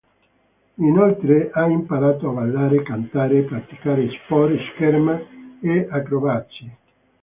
Inoltre, ha imparato a ballare, cantare, praticare sport, scherma e acrobazie.